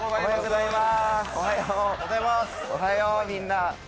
おはよう、みんな。